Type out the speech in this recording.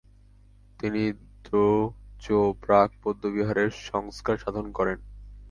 তিনি র্দো-র্জে-ব্রাগ বৌদ্ধবিহারের সংস্কার সাধন করেন।